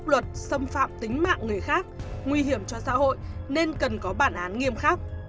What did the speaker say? pháp luật xâm phạm tính mạng người khác nguy hiểm cho xã hội nên cần có bản án nghiêm khắc